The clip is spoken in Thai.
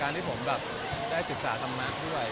การที่ผมแบบได้ศึกษาทำมากด้วย